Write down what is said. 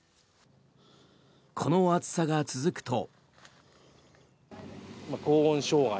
この暑さが続くと。